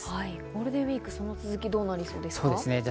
ゴールデンウイーク、その続きはどうなりそうですか？